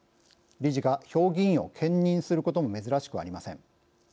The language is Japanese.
理事が評議員を兼任することも珍しくありません。